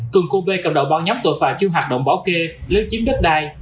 cường cô bê cầm đậu ban nhóm tội phà chưa hoạt động bảo kê lên chiếm đất đai